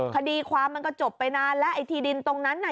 คดีความมันก็จบไปนานแล้วไอ้ที่ดินตรงนั้นน่ะ